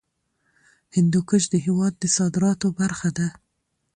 هندوکش د هېواد د صادراتو برخه ده.